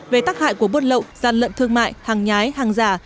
về tác hại của buôn lậu gian lận thương mại hàng nhái hàng giả